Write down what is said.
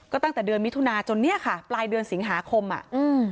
ก็ตั้งแต่เดือนมิถุนาจนเนี้ยค่ะปลายเดือนสิงหาคมอ่ะอืม